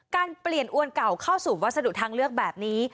การเปลี่ยนอวนเก่าเข้าสู่วัสดุทางเลือกแบบนี้